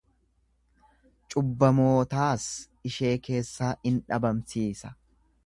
Cubbamootaas ishee keessaa in dhabamsiisa.